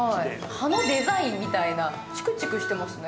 葉のデザインみたいな、チクチクしてますね。